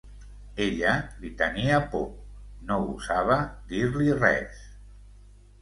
Ella li tenia por, no gosava dir-li res.